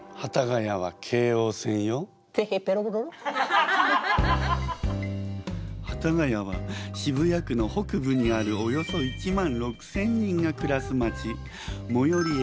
幡ヶ谷は渋谷区の北部にあるおよそ１万６，０００人が暮らす町。